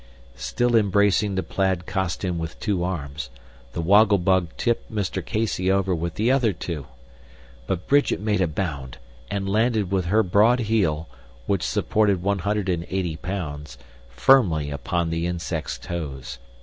Still embracing the plaid costume with two arms, the Woggle Bug tipped Mr. Casey over with the other two. But Bridget made a bound and landed with her broad heel, which supported 180 pounds, firmly upon the Insect's toes.